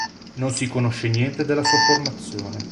Non si conosce niente della sua formazione.